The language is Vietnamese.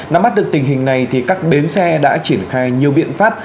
nắm bắt được tình hình này thì các bến xe đã triển khai nhiều biện pháp